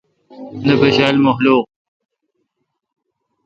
نہ پشا ل مخلوق۔